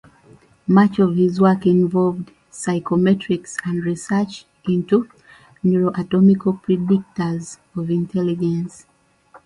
Much of his work involved psychometrics and research into neuroanatomical predictors of intelligence.